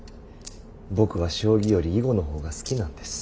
僕は将棋より囲碁の方が好きなんです。